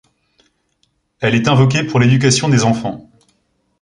Elle est invoquée pour l'éducation des enfants.